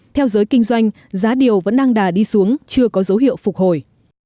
theo giới kinh doanh giá điều vẫn đang đà đi xuống chưa có dấu hiệu phục hồi